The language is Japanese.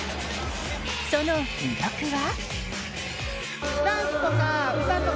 その魅力は？